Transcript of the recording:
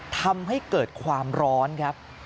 ทำให้เกิดความร้อนครับ